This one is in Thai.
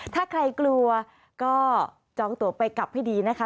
ถ้าใครกลัวก็จองตัวไปกลับให้ดีนะคะ